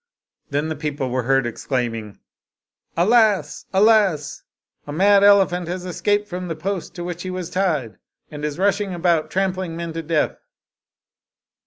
Then the people were heard exclaiming, "Alas! Alas! a mad ele phant has escaped from the post to which he was tied, and is rushing about, trampling men to death."